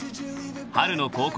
［春の高校